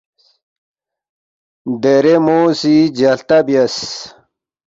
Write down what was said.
دیرے مو سی جلتہ بیاس،